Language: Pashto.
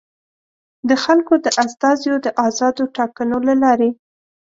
د خلکو د استازیو د ازادو ټاکنو له لارې.